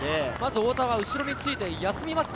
太田は後ろについて休みますか？